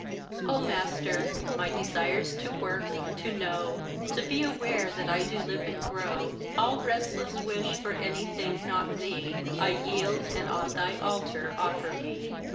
O master, my desires to work, to know, To be aware that I do live and grow All restless wish for anything not thee, I yield, and on thy altar offer me.